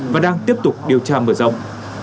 và đang tiếp tục điều tra mở rộng